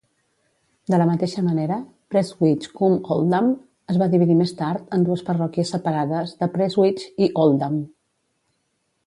De la mateixa manera, Prestwich-cum-Oldham es va dividir més tard en dues parròquies separades de Prestwich i Oldham.